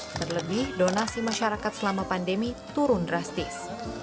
terlebih donasi masyarakat selama pandemi turun drastis